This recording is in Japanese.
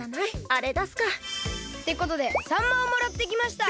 あれだすか。ってことでさんまをもらってきました！